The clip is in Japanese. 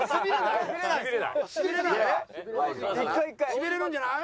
しびれるんじゃない？